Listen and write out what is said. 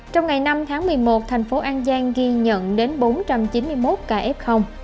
trong ngày năm tháng một mươi một thành phố an giang ghi nhận đến bốn trăm chín mươi một ca f